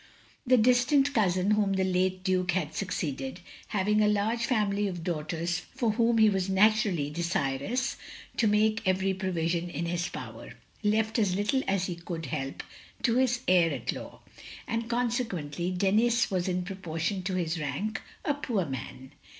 The distant cousin whom the late Duke had succeeded, —• having a large family of daughters for whom he was naturally desirous to make every pro vision in his power, — ^lef t as little as he could help to his heir at law; and consequently Denis was in proportion to his rank, a poor man.